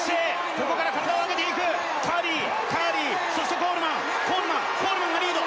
ここから体を上げていくカーリーカーリーそしてコールマンコールマンコールマンがリード